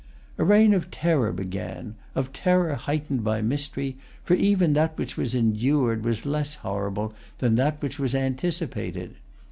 A reign of terror began, of terror heightened by mystery: for even that which was endured was less horrible than that which was anticipated.